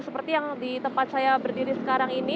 seperti yang di tempat saya berdiri sekarang ini